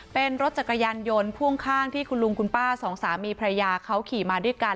เป็นรถจักรยานยนต์พ่วงข้างที่คุณลุงคุณป้าสองสามีภรรยาเขาขี่มาด้วยกัน